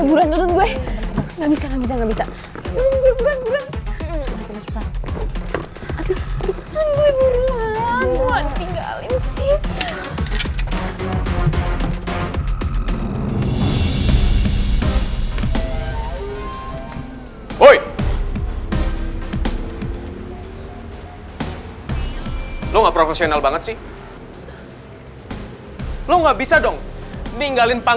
udah lagi pak